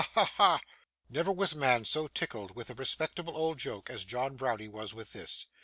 ha!' Never was man so tickled with a respectable old joke, as John Browdie was with this.